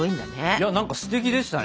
いや何かすてきでしたね。